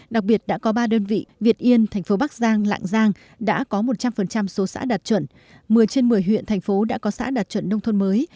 đặc biệt đã có ba đơn vị việt yên thành phố bắc giang lạng giang đã có một trăm linh số xã đạt chuẩn một mươi trên một mươi huyện thành phố đã có xã đạt chuẩn nông thôn mới